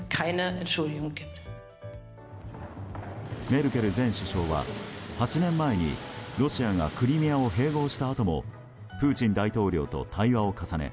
メルケル前首相は８年前にロシアがクリミアを併合したあともプーチン大統領と対話を重ね